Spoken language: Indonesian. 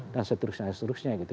dan seterusnya seterusnya gitu